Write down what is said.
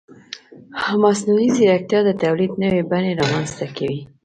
مصنوعي ځیرکتیا د تولید نوې بڼې رامنځته کوي.